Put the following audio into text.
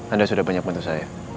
anda sudah banyak bantu saya